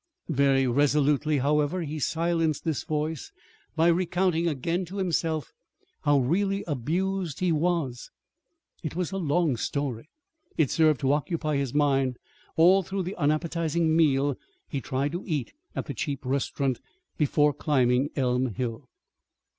Very resolutely, however, he silenced this voice by recounting again to himself how really abused he was. It was a long story. It served to occupy his mind all through the unappetizing meal he tried to eat at the cheap restaurant before climbing Elm Hill.